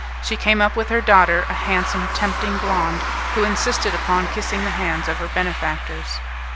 She came up with her daughter, a handsome, tempting blonde, who insisted upon kissing the hands of her benefactors.